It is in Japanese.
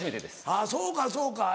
あぁそうかそうか。